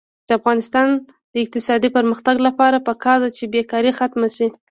د افغانستان د اقتصادي پرمختګ لپاره پکار ده چې بېکاري ختمه شي.